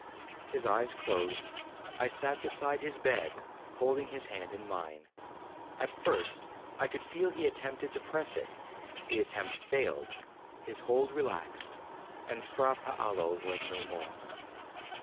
His eyes closed,—I sat beside his bed, holding his hand in mine. At first, I could feel he attempted to press it—the attempt failed, his hold relaxed. Fra Paolo was no more.